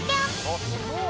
あっすごい！